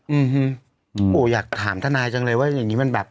อืมโอ้อยากถามทนายจังเลยว่าอย่างงี้มันแบบ